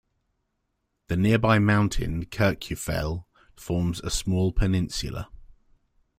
The nearby mountain Kirkjufell forms a small peninsula.